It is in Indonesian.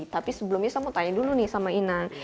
tapi sebelumnya saya mau tanya dulu nih sama inan